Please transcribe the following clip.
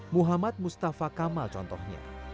muhammad mustafa kamal contohnya